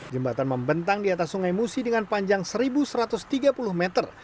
jembatan membentang di atas sungai musi dengan panjang seribu satu ratus tiga puluh meter